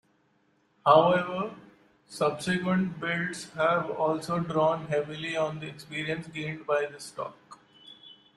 However, subsequent builds have also drawn heavily on the experience gained by this stock.